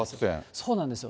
そうなんですよ。